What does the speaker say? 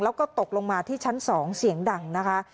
แล้วก็ตกลงมาที่ชั้น๒เสียงดังนะคะ